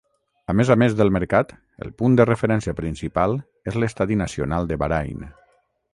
A més a més del mercat, el punt de referència principal és l'estadi nacional de Bahrain.